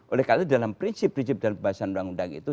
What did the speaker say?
oleh karena itu dalam prinsip prinsip dalam pembahasan undang undang itu